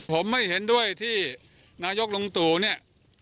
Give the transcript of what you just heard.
ผมไม่เห็นด้วยที่นายกลุงตู่เนี่ย